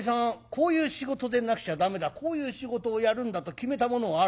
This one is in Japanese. こういう仕事でなくちゃ駄目だこういう仕事をやるんだと決めたものはあるのかい？」。